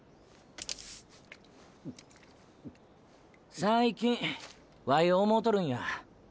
最近ワイ思うとるんや。